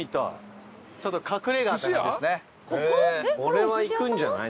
これはいくんじゃない？